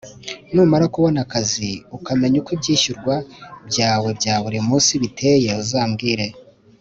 Numara kubona akazi ukamenya uko ibyishyurwa byawe bya buri munsi biteye uzambwire